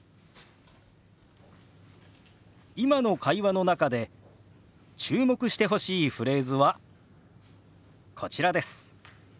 今の会話の中で注目してほしいフレーズはこちらです。